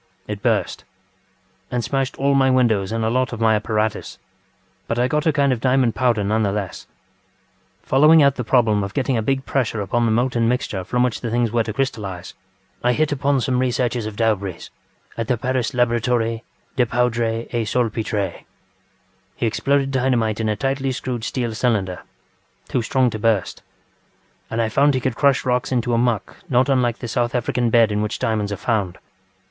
It burst, and smashed all my windows and a lot of my apparatus; but I got a kind of diamond powder nevertheless. Following out the problem of getting a big pressure upon the molten mixture from which the things were to crystallise, I hit upon some researches of DaubreeŌĆÖs at the Paris Laboratorie des Poudres et Salpetres. He exploded dynamite in a tightly screwed steel cylinder, too strong to burst, and I found he could crush rocks into a muck not unlike the South African bed in which diamonds are found.